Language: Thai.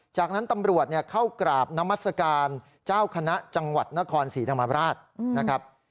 จากนั้นตำรวจเข้ากราบนามัศกาลเจ้าคณะจังหวัดนครศรีธรรมราชนะครับ